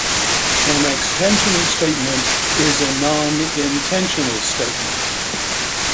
An "extensional" statement is a non-intensional statement.